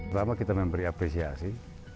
selama kita memberi apresiasi